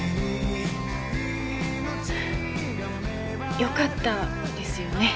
よかったですよね